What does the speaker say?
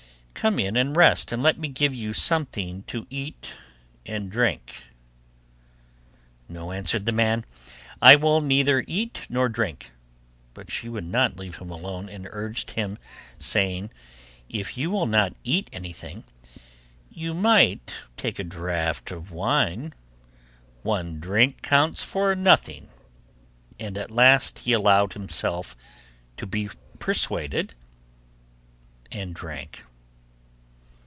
Come in and rest and let me give you something to eat and drink.' 'No,' answered the man, 'I will neither eat not drink.' But she would not leave him alone, and urged him saying, 'If you will not eat anything, at least you might take a draught of wine; one drink counts for nothing,' and at last he allowed himself to be persuaded, and drank.